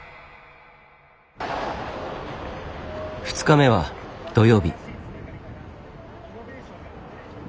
２日目は土曜日。